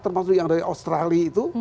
termasuk yang dari australia itu